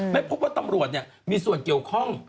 ไม่พบว่าตำรวจมีส่วนเกี่ยวข้อง